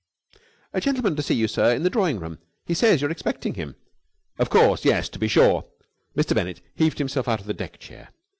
"A gentleman to see you, sir. In the drawing room. He says you are expecting him." "Of course, yes. To be sure." Mr. Bennett heaved himself out of the deck chair.